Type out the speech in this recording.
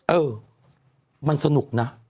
เออมันสนุกนะ